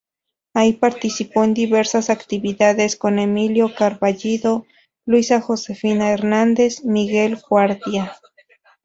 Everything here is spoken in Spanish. Ahí participó en diversas actividades con Emilio Carballido, Luisa Josefina Hernández, Miguel Guardia.